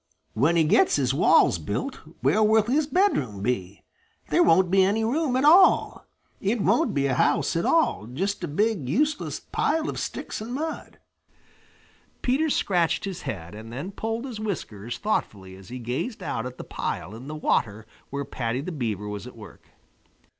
When he gets his walls built, where will his bedroom be? There won't be any room at all. It won't be a house at all just a big useless pile of sticks and mud." Peter scratched his head and then pulled his whiskers thoughtfully as he gazed out at the pile in the water where Paddy the Beaver was at work.